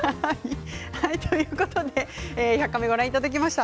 「１００カメ」ご覧いただきました。